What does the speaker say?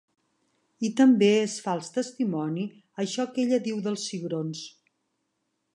I també és fals testimoni això que ella diu dels cigrons.